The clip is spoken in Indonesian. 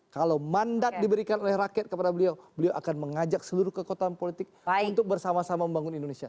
kalau mandat diberikan oleh rakyat kepada beliau beliau akan mengajak seluruh kekuatan politik untuk bersama sama membangun indonesia